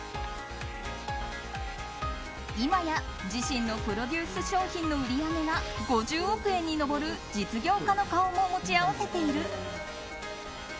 今や自身のプロデュース商品の売り上げが５０億円にも上る実業家の顔も持ち合わせている。